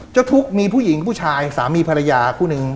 เจ้าทุกข์มีผู้หญิงผู้ชายสามีภรรยาคู่หนึ่ง